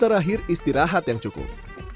terakhir istirahat yang cukup